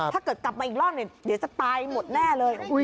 ถ้าเกิดกลับมาอีกรอบเนี่ยเดี๋ยวจะตายหมดแน่เลย